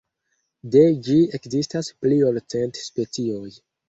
De ĝi ekzistas pli ol cent specioj.